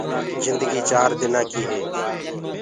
جندگي چآر دنآ ڪي هي